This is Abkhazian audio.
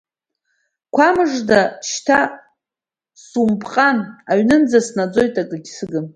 Қәа мыжда, шьҭа сумыпҟан, аҩнынӡа снаӡоит, акгьы сыгым.